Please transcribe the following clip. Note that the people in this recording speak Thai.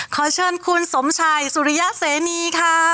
ขอเชิญคุณสมชัยสุริยะเสนีค่ะ